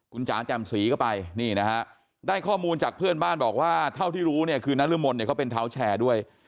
คุณจ๋าแจ่มสีก็ไปนี่นะฮะได้ข้อมูลจากเพื่อนบ้านบอกว่าเท่าที่รู้เนี่ยคือนรมนเนี่ยเขาเป็นเท้าแชร์ด้วย